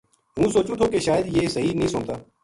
ہوں سوچوں تھو کہ شاید یہ صحیح نیہہ سُنتا